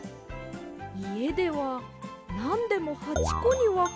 いえではなんでも８こにわけるので。